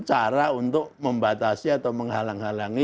cara untuk membatasi atau menghalang halangi